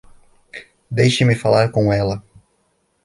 Deixe-me falar com ela.